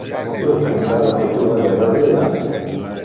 Io pensava que tu vadeva via.